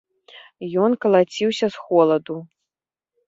Ён калаціўся з холаду.